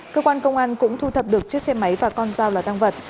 cơ quan công an cũng thu thập được chiếc xe máy và con dao là tăng vật